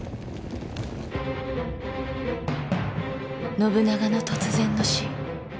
信長の突然の死。